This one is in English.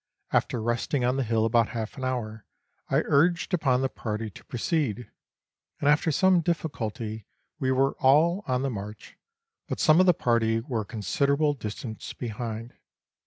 After resting on the hill about half an hour, I urged upon the party to proceed, and after some difficulty we were all on the march, but some of the party were a considerable distance behind.